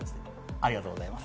ありがとうございます。